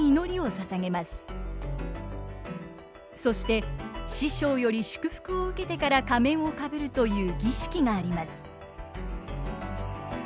そして師匠より祝福を受けてから仮面をかぶるという儀式があります。